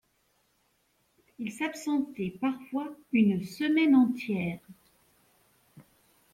Il s’absentait parfois une semaine entière.